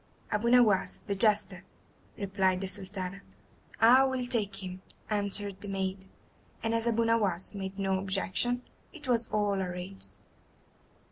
"Abu Nowas, the jester," replied the Sultana. "I will take him," answered the maiden; and as Abu Nowas made no objection, it was all arranged.